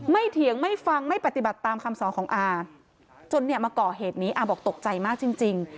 เถียงไม่ฟังไม่ปฏิบัติตามคำสอนของอาจนเนี่ยมาก่อเหตุนี้อาบอกตกใจมากจริง